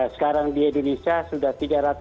sekarang di indonesia sudah tiga ratus